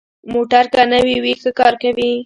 موټر که نوي وي، ښه کار کوي.